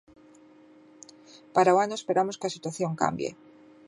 Para o ano esperamos que a situación cambie.